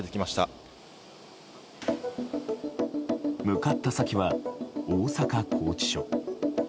向かった先は、大阪拘置所。